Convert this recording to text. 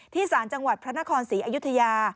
สารจังหวัดพระนครศรีอยุธยา